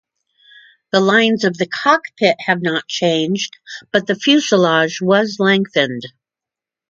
The lines of the cockpit have not changed but the fuselage was lengthened.